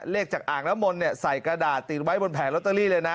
เลขจากอ่างน้ำมนต์ใส่กระดาษติดไว้บนแผงลอตเตอรี่เลยนะ